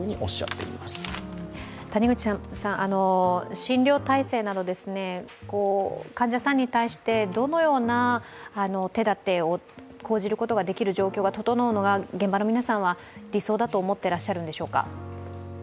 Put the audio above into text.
診療体制など、患者さんに対してどのような手だてを講じることができる状況が整うのが現場の皆さんは理想だと思ってらっしゃるんでしょうか。